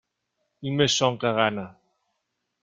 Tinc més son que gana.